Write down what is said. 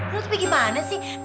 lu terus gimana sih